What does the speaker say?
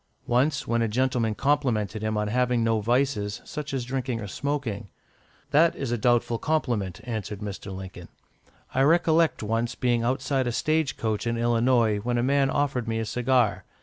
Once, when a gentleman complimented him on having no vices, such as drinking or smoking, "That is a doubtful compliment," answered Mr. Lincoln. "I recollect once being outside a stage coach in Illinois, when a man offered me a cigar.